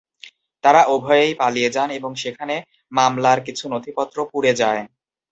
তারা উভয়েই পালিয়ে যান এবং সেখানে মামলার কিছু নথিপত্র পুড়ে যায়।